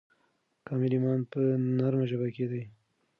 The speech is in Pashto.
کامل ایمان په نرمه ژبه کې دی.